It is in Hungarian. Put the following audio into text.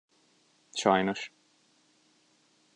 Sajnos.